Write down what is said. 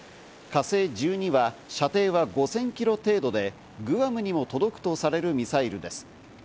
「火星１２」は射程は５０００キロ程度で、グアムにも届くとされるミサイルです。